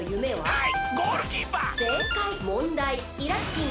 はい！